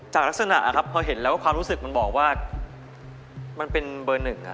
จากลักษณะครับพอเห็นแล้วความรู้สึกมันบอกว่ามันเป็นเบอร์หนึ่ง